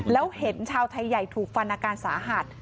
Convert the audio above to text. แล้วเห็นชาวไทยใหญ่ถูกฟันอาการสาหัส